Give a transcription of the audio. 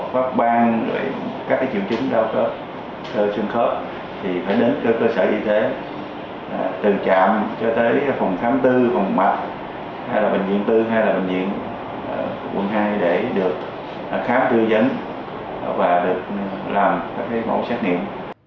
phòng thám tư phòng mặt hay là bệnh viện tư hay là bệnh viện quận hai để được khám thư dẫn và được làm các mẫu xét nghiệm